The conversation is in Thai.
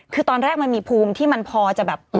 คือตอนแรกมันมีภูมิที่มันพอจะแบบ